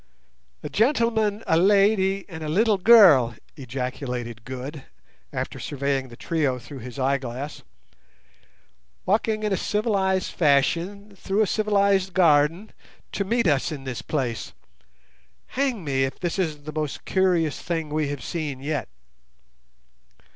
"A gentleman, a lady, and a little girl," ejaculated Good, after surveying the trio through his eyeglass, "walking in a civilized fashion, through a civilized garden, to meet us in this place. Hang me, if this isn't the most curious thing we have seen yet!"